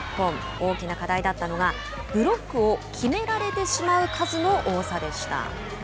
大きな課題だったのがブロックを決められてしまう数の多さでした。